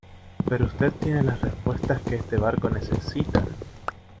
pero usted tiene las respuestas que este barco necesita